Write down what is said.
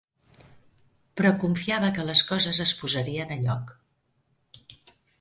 Però confiava que les coses es posarien a lloc.